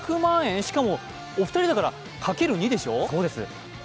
しかも、お二人だから掛ける２でしょう？